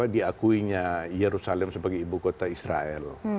diakuinya yerusalem sebagai ibu kota israel